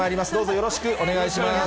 よろしくお願いします。